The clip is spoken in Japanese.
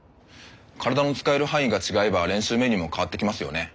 体の使える範囲が違えば練習メニューも変わってきますよね？